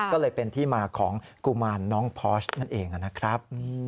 ก็เลยเป็นที่มาของกุมารน้องพอร์ชนั่นเองนะครับ